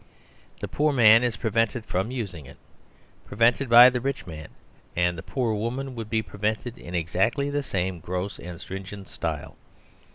The poor man is prevented from using it; prevented by the rich man, and the poor woman would be prevented in exactly the same gross and stringent style.